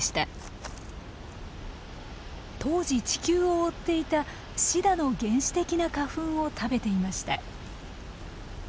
当時地球を覆っていたシダの原始的な花粉を食べていました。